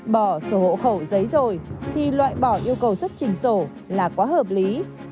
bỏ sổ hộ khẩu giấy rồi thì loại bỏ yêu cầu xuất trình sổ là quá hợp lý